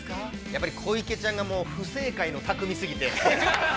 ◆やっぱり小池ちゃんが不正解の匠すぎて。